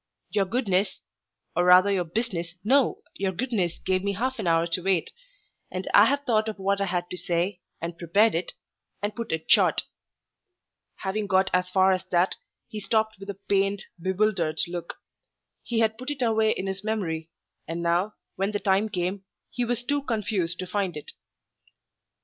Your goodness or rather your business no, your goodness gave me half an hour to wait and I have thought of what I had to say, and prepared it, and put it short." Having got as far as that, he stopped with a pained, bewildered look. He had put it away in his memory, and now, when the time came, he was too confused to find it.